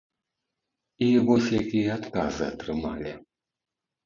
І вось якія адказы атрымалі.